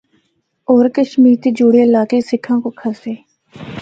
ہور کشمیر دے جڑے علاقے سکھاں کو کھسّے۔